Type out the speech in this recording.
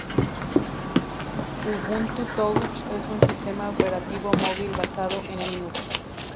Ubuntu Touch es un sistema operativo móvil basado en Linux.